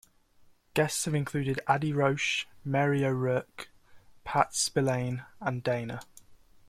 Guests have included Adi Roche, Mary O'Rourke, Pat Spillane and Dana.